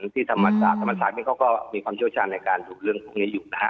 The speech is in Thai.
ที่ธรรมศาสตร์ธรรมศาสตร์เขาก็มีความเชี่ยวชาญในการถูกเรื่องพวกนี้อยู่นะฮะ